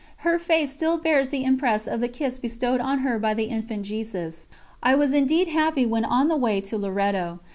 Her face still bears the impress of the kiss bestowed on her by the Infant Jesus. I was indeed happy when on the way to Loreto.